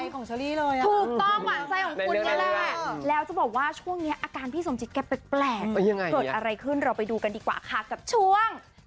เกิดอะไรขึ้นเราไปดูกันดีกว่าคักกับช่วง